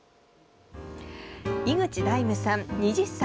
井口大夢さん、２０歳。